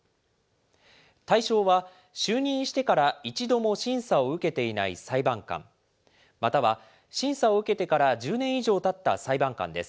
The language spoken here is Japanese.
対象は、就任してから一度も審査を受けていない裁判官、または審査を受けてから１０年以上たった裁判官です。